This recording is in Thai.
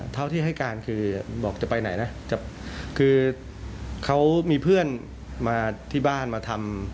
เท่าที่ให้การคือบอกจะไปไหนนะคือเขามีเพื่อนมาที่บ้านมาทำ